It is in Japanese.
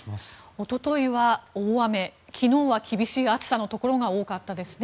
おとといは大雨昨日は厳しい暑さのところが多かったですね。